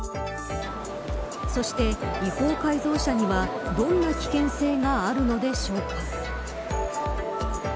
そして、違法改造車にはどんな危険性があるのでしょうか。